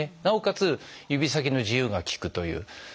なおかつ指先の自由が利くという。